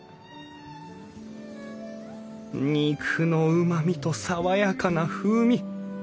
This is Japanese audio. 肉のうまみと爽やかな風味。